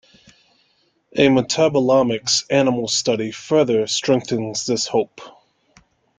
A Metabolomics animal study further strengthens this hope.